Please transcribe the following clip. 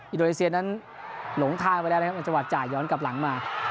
อินโดนีเซียนั้นหลงทางไปแล้วนะครับในจังหวัดจ่ายย้อนกลับหลังมา